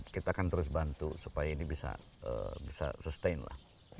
kita akan terus bantu supaya ini bisa sustain lah